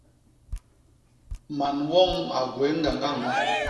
Man woñ a gwéé ñgañga ñño.